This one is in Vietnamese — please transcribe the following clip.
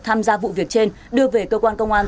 tham gia vụ việc trên đưa về cơ quan công an